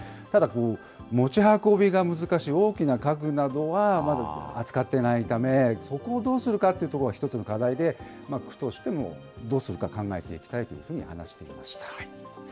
ただ、持ち運びが難しい、大きな家具などはまだ扱っていないため、そこをどうするかというところが一つの課題で、区としてもどうするか考えていきたいというふうに話していました。